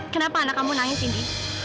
kenapa anak kamu nangis ini